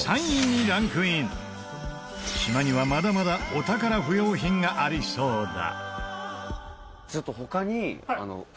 島にはまだまだお宝不要品がありそうだ。